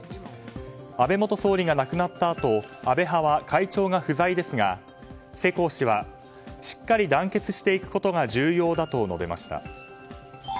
安倍元総理が亡くなったあと安倍派は会長が不在ですが、世耕氏はしっかり団結していくことが重要だと述べました。